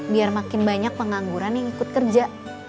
biar makin banyak pengangguran yang ikut kerja